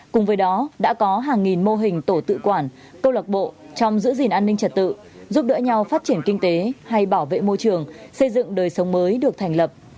cùng với đó đã có hàng nghìn mô hình tổ tự quản câu lạc bộ trong giữ gìn an ninh trật tự giúp đỡ nhau phát triển kinh tế hay bảo vệ môi trường xây dựng đời sống mới được thành lập